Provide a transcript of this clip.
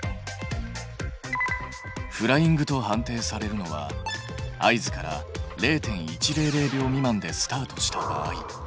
フライングと判定されるのは合図から０．１００秒未満でスタートした場合。